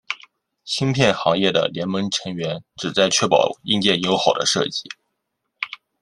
芯片行业的联盟成员旨在确保硬件友好的设计。